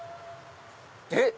えっ？